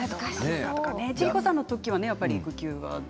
千里子さんの時は育休は？